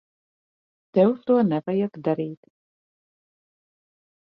Tev to nevajag darīt.